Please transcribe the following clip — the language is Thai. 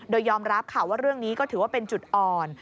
โดยยอมรับค่ะว่าเรื่องนี้ก็ถือว่าเป็นจุดอ่อน